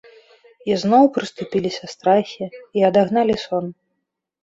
І зноў прыступіліся страхі і адагналі сон.